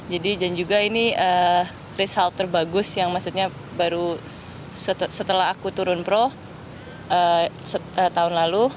jadi dan juga ini result terbagus yang maksudnya baru setelah aku turun pro tahun lalu